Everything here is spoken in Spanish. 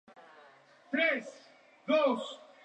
Moseley murió cuando tenía solo veintisiete años.